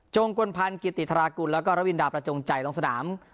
กลพันธ์กิติธรากุลแล้วก็ระวินดาประจงใจลงสนาม